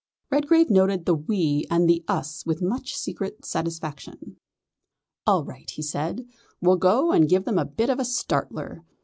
Redgrave noted the "we" and the "us" with much secret satisfaction. "All right," he said, "we'll go and give them a bit of a startler."